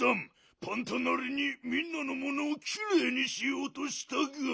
パンタなりにみんなのものをきれいにしようとしたガン。